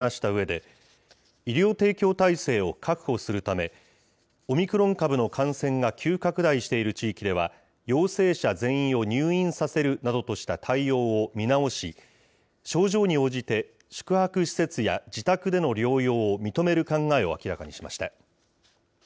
このように話したうえで、医療提供体制を確保するため、オミクロン株の感染が急拡大している地域では、陽性者全員を入院させるなどとした対応を見直し、症状に応じて、宿泊施設や自宅での療養を認める考えを明らかにしました。